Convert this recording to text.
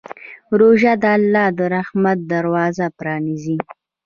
روژه د الله د رحمت دروازه پرانیزي.